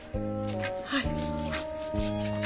はい。